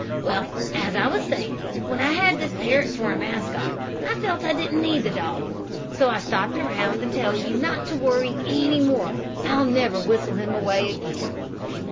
"Well, as I was saying, when I had this parrot for a mascot I felt I didn't need the dog. So I stopped around to tell you not to worry any more. I'll never whistle him away again."